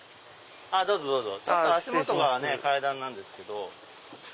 どうぞどうぞ足元が階段なんですけど。